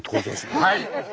はい。